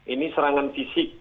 ini serangan fisik